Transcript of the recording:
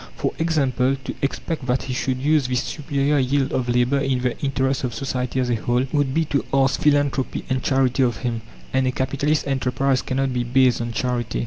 For example, to expect that he should use this superior yield of labour in the interest of society as a whole, would be to ask philanthropy and charity of him, and a capitalist enterprise cannot be based on charity.